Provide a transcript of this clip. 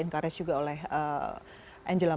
encourage juga oleh angela